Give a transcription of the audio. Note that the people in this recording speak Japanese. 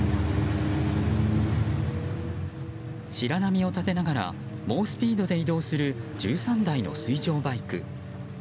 白波を立てながら猛スピードで移動する１３台の水上バイク。